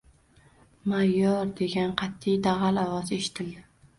— Mayor! — degan qatiy, dag‘al ovoz eshitildi.